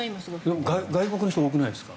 でも外国の人多くないですか？